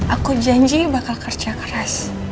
aku janji bakal kerja keras